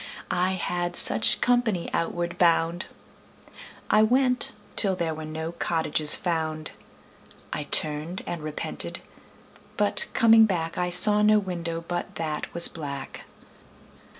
I had such company outward bound. I went till there were no cottages found. I turned and repented, but coming back I saw no window but that was black.